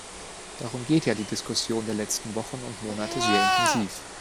Darum geht ja die Diskussion der letzten Wochen und Monate sehr intensiv.